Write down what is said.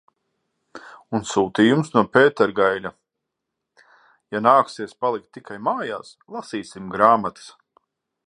Un sūtījums no Pētergaiļa – ja nāksies palikt tikai mājās, lasīsim grāmatas!